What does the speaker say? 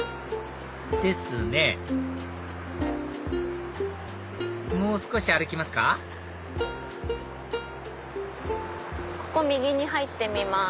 ですねもう少し歩きますかここ右に入ってみます。